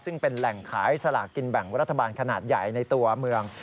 ซึ่งเป็นแหล่งขายสลากกินแบ่งรัฐบาลขนาดใหญ่ในตัวเมือง